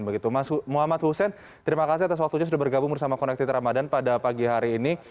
begitu mas muhammad hussein terima kasih atas waktunya sudah bergabung bersama connected ramadhan pada pagi hari ini